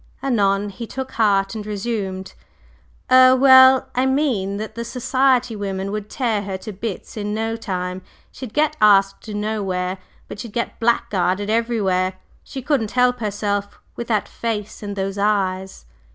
Anon he took heart and resumed: "Er well I mean that the society women would tear her to bits in no time. She'd get asked nowhere, but she'd get blackguarded everywhere; she couldn't help herself with that face and those eyes."